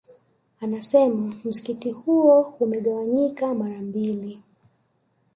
Anasema msikiti huo umegawanyika mara mbili